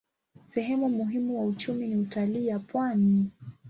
Sehemu muhimu wa uchumi ni utalii ya pwani.